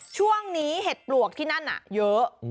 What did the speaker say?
ช่วงนี้เห็ดปลวกที่นั่นน่ะเยอะ